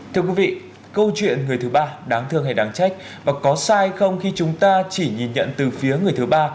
thưa quý vị câu chuyện người thứ ba đáng thương hay đáng trách và có sai không khi chúng ta chỉ nhìn nhận từ phía người thứ ba